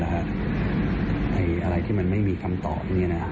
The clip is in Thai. อะไรที่มันไม่มีคำตอบ